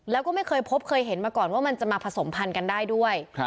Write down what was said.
แล้วก็ไม่เคยพบเคยเห็นมาก่อนว่ามันจะมาผสมพันธุ์กันได้ด้วย